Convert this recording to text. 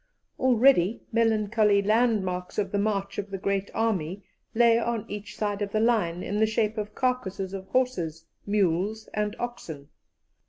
Already melancholy landmarks of the march of the great army lay on each side of the line in the shape of carcasses of horses, mules, and oxen.